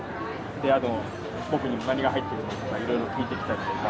あと僕にも「何が入ってるの？」とかいろいろ聞いてきたりとか。